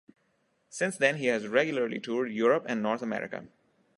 Since then he has regularly toured Europe and North America.